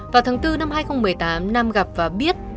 vào tháng bốn năm hai nghìn một mươi tám nam gặp và biết